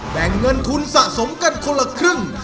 แบ่งเงินทุนสะสมกันคนละครึ่ง